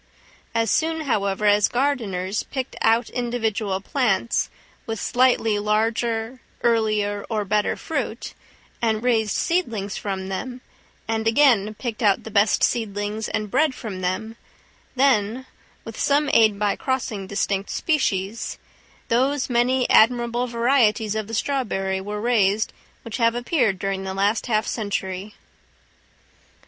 As soon, however, as gardeners picked out individual plants with slightly larger, earlier, or better fruit, and raised seedlings from them, and again picked out the best seedlings and bred from them, then (with some aid by crossing distinct species) those many admirable varieties of the strawberry were raised which have appeared during the last half century.